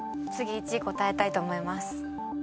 次１位答えたいと思います。